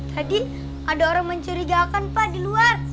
tadi ada orang mencurigakan pak di luar